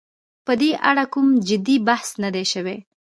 په دې اړه کوم جدي بحث نه دی شوی.